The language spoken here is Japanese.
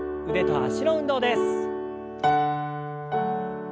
腕と脚の運動です。